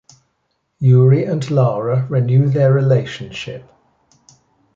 Yuri and Lara renew their relationship.